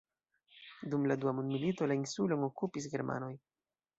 Dum la dua mondmilito, la insulon okupis germanoj.